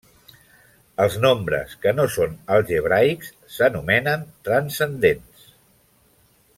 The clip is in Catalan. Els nombres que no són algebraics s'anomenen transcendents.